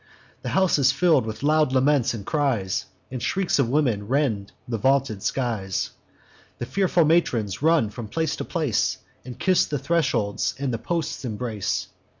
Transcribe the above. The house is fill'd with loud laments and cries, And shrieks of women rend the vaulted skies; The fearful matrons run from place to place, And kiss the thresholds, and the posts embrace.